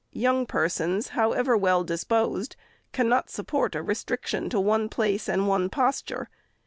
Young persons, however well disposed, cannot support a restriction to one place and one posture.